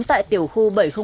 tại tiểu khu bảy trăm linh một